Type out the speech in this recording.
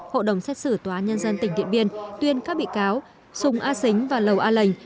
hội đồng xét xử tòa án nhân dân tỉnh điện biên tuyên các bị cáo sùng a xính và lầu a lệnh